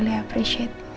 saya sangat menghargai